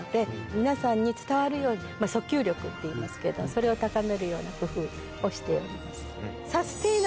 皆さんに伝わるように。って言いますけどそれを高めるような工夫をしております。